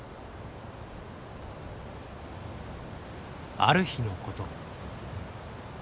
ある日のこと。